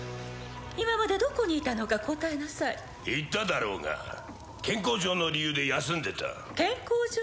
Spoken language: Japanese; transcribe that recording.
今までどこにいたのか答えなさい言っただろうが健康上の理由で休んでた健康上？